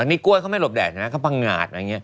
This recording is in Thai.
อันนี้กล้วยเขาไม่หลบแดดใช่มั้ยก็พังอาดอะไรอย่างเงี้ย